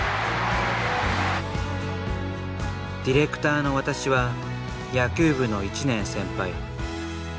ディレクターの私は野球部の１年先輩。